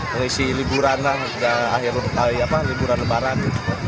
mengisi liburan lah akhir liburan lebaran